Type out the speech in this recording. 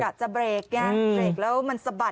อยากจะเบรกเนี่ยเบรกแล้วมันสะบัด